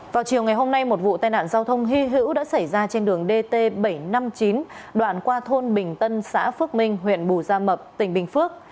vào chiều ngày hôm nay một vụ tai nạn giao thông hy hữu đã xảy ra trên đường dt bảy trăm năm mươi chín đoạn qua thôn bình tân xã phước minh huyện bù gia mập tỉnh bình phước